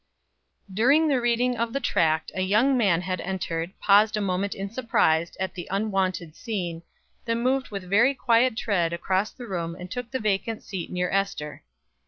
During the reading of the tract, a young man had entered, paused a moment in surprise at the unwonted scene, then moved with very quiet tread across the room and took the vacant seat near Ester.